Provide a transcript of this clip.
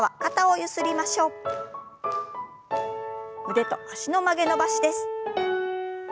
腕と脚の曲げ伸ばしです。